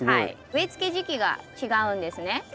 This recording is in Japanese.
植えつけ時期が違うんですね。